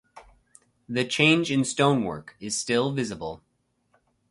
The change in stonework is still visible.